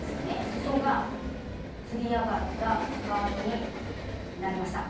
すそがつり上がったスカートになりました。